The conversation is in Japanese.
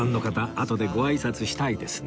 あとでごあいさつしたいですね